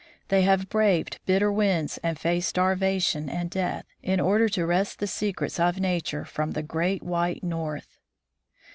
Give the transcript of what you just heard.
They have braved bitter winds and faced starvation and death, in order to wrest the secrets of nature from the great white North.